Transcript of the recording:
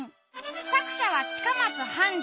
作者は近松半二。